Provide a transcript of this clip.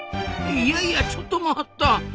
いやいやちょっと待った！